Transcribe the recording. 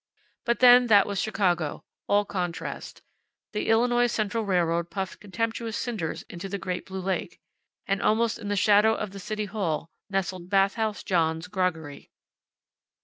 But then, that was Chicago. All contrast. The Illinois Central railroad puffed contemptuous cinders into the great blue lake. And almost in the shadow of the City Hall nestled Bath House John's groggery.